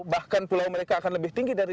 bahkan pulau mereka akan lebih tinggi dari